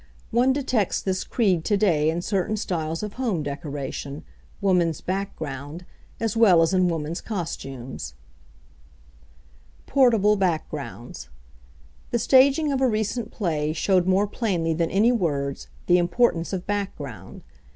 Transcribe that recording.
One detects this creed to day in certain styles of home decoration (woman's background), as well as in woman's costumes. Portable Backgrounds The staging of a recent play showed more plainly than any words, the importance of background.